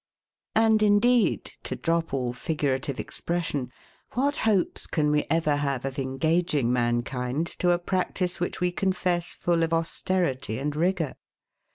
And, indeed, to drop all figurative expression, what hopes can we ever have of engaging mankind to a practice which we confess full of austerity and rigour?